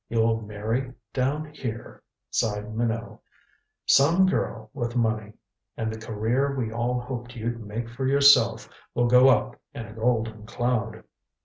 "You'll marry down here," sighed Minot "Some girl with money. And the career we all hoped you'd make for yourself will go up in a golden cloud."